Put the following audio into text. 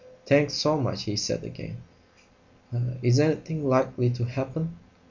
"Thanks so much," he said again. "Er is anything likely to happen?"